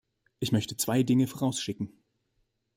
Ich möchte zwei Dinge vorausschicken.